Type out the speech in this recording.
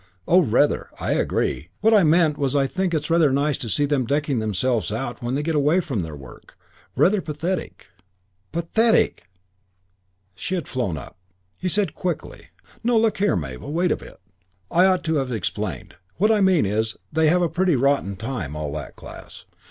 "Oh, rather. I agree. What I meant was I think it's rather nice to see them decking themselves out when they get away from their work. Rather pathetic." "Pathetic!" She had flown up! He said quickly, "No, but look here, Mabel, wait a bit. I ought to have explained. What I mean is they have a pretty rotten time, all that class.